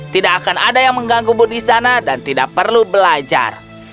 tidak akan ada yang mengganggumu di sana dan tidak perlu belajar